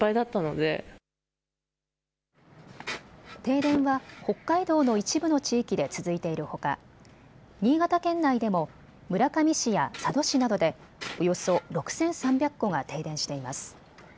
停電は北海道の一部の地域で続いているほか新潟県内でも村上市や佐渡市などでおよそ６３００戸が停電しています。